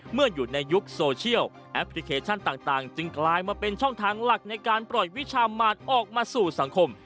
เมื่ออยู่ในยุคโซเชียลแอปพลิเคชันต่างจึงกลายมาเป็นช่องทางหลักในการปล่อยวิชามานออกมาสู่สังคม